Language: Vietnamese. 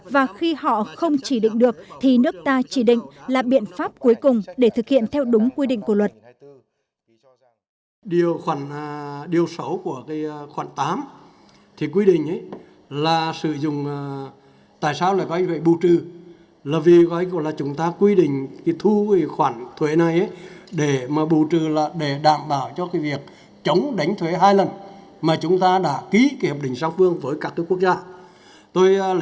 và khi họ không chỉ định được thì nước ta chỉ định là biện pháp cuối cùng để thực hiện theo đúng quy định của luật